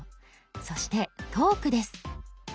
そして「トーク」です。